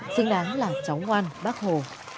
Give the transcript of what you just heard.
xứng đáng là cháu ngoan bác hồ